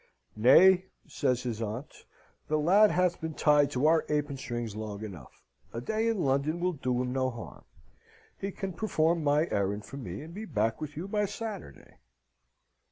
"Nay," says his aunt, "the lad hath been tied to our apron strings long enough. A day in London will do him no harm. He can perform my errand for me and be back with you by Saturday."